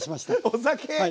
お酒。